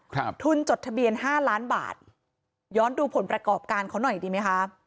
ทุนจดทะเบียนห้าล้านบาทย้อนดูผลประกอบการเขาหน่อยดีไหมคะ